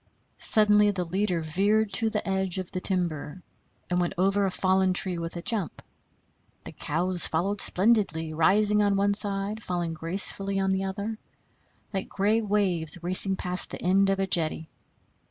Suddenly the leader veered in to the edge of the timber and went over a fallen tree with a jump; the cows followed splendidly, rising on one side, falling gracefully on the other, like gray waves racing past the end of a jetty.